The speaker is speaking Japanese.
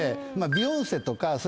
ビヨンセとか。